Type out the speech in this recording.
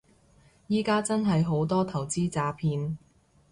而家真係好多投資詐騙